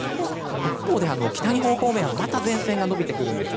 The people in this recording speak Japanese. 一方で北日本方面はまた前線が延びてきます。